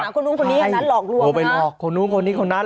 คนนู้นคนนี้คนนั้นหลอกลวงเอาไปหลอกคนนู้นคนนี้คนนั้น